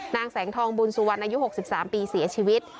นางแสงทองบุญสุวรรณอายุ๖๓ปีเสียชีวิต